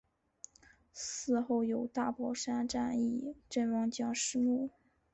祠后有大宝山战役阵亡将士墓。